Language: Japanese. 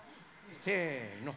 せの。